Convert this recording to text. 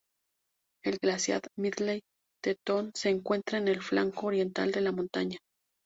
El glaciar Middle Teton se encuentra en el flanco oriental de la montaña.